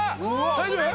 大丈夫？